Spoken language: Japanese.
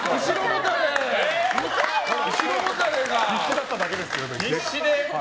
必死だっただけですけど。